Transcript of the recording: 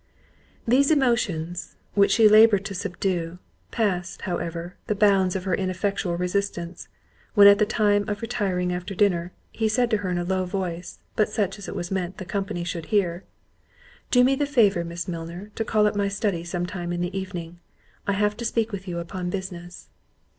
These emotions, which she laboured to subdue, passed, however, the bounds of her ineffectual resistance, when at the time of retiring after dinner, he said to her in a low voice, but such as it was meant the company should hear, "Do me the favour, Miss Milner, to call at my study some time in the evening; I have to speak with you upon business."